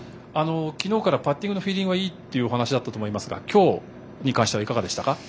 昨日からパッティングのフィーリングがいいというお話だったと思いますが今日に関してはいかがでしたか？